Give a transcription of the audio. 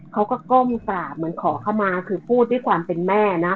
เขาก็ก้มสาบเหมือนขอเข้ามาคือพูดด้วยความเป็นแม่นะครับ